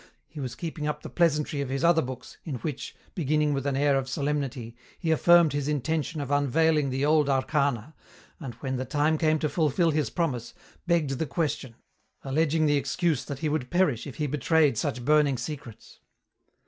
He was keeping up the pleasantry of his other books, in which, beginning with an air of solemnity, he affirmed his intention of unveiling the old arcana, and, when the time came to fulfil his promise, begged the question, alleging the excuse that he would perish if he betrayed such burning secrets.